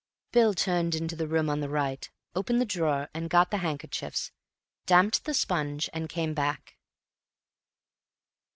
Bill turned into the room on the right, opened the drawer and got the handkerchief, damped the sponge and came back.